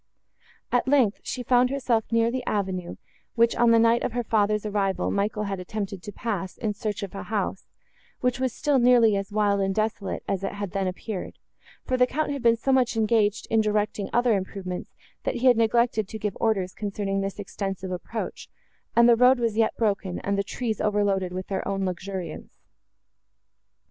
At length, she found herself near the avenue, which, on the night of her father's arrival, Michael had attempted to pass in search of a house, which was still nearly as wild and desolate as it had then appeared; for the Count had been so much engaged in directing other improvements, that he had neglected to give orders, concerning this extensive approach, and the road was yet broken, and the trees overloaded with their own luxuriance.